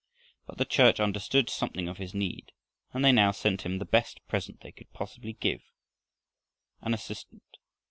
But the Church understood something of his need, and they now sent him the best present they could possibly give, an assistant.